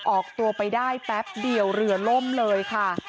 ออกตัวไปได้แป๊บเดียวเรือล่มเลยค่ะ